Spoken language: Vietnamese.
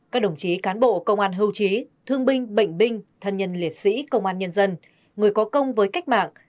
các đồng chí cán bộ công an hưu trí thương binh bệnh binh thân nhân liệt sĩ công an nhân dân người có công với cách mạng